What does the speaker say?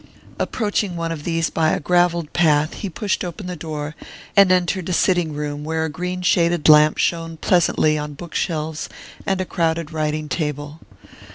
Approaching one of these by a gravelled path he pushed open the door, and entered a sitting room where a green shaded lamp shone pleasantly on bookshelves and a crowded writing table.